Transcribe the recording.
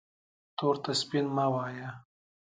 تور ته سپین مه وایه